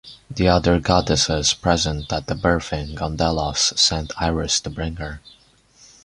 The other goddesses present at the birthing on Delos sent Iris to bring her.